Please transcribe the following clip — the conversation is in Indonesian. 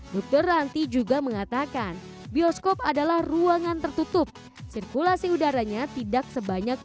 dokter ranti juga mengatakan bioskop adalah ruangan tertutup sirkulasi udaranya tidak sebanyak